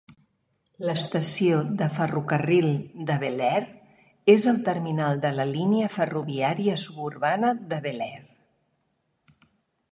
L'estació de ferrocarril de Belair és el terminal de la línia ferroviària suburbana de Belair.